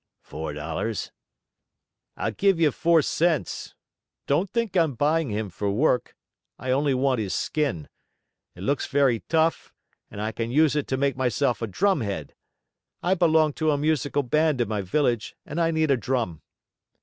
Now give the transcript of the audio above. "Four dollars." "I'll give you four cents. Don't think I'm buying him for work. I want only his skin. It looks very tough and I can use it to make myself a drumhead. I belong to a musical band in my village and I need a drum."